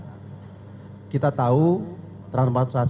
transvasasi juga merupakan suatu kebutuhan mendasar di masyarakat